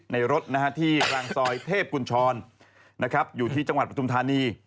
ในรถที่กลางซอยเทพกุญชรอยู่ที่จังหวัดปทุมธานี